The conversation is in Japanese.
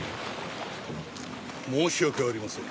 「申し訳ありません。